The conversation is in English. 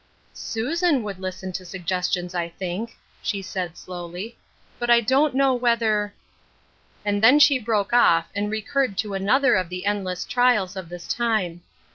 " Susan would listen to suggestions, I think," she said, slowly. " But I don't know whether "— And then she broke off, and recurred to another of the endless trials of this time.